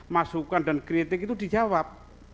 masukan dan kritik itu dijawab